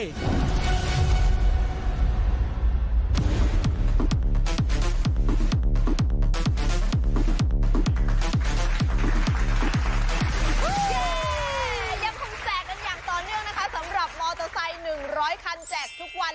นี่ยังคงแจกกันอย่างต่อเนื่องนะคะสำหรับมอเตอร์ไซค์๑๐๐คันแจกทุกวัน